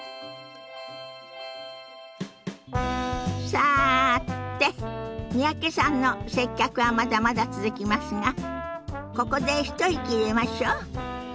さて三宅さんの接客はまだまだ続きますがここで一息入れましょ。